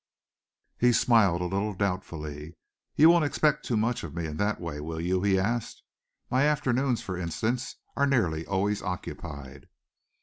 He smiled a little doubtfully. "You won't expect too much of me in that way, will you?" he asked. "My afternoons, for instance, are nearly always occupied."